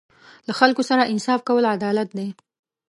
له خلکو سره انصاف کول عدالت دی.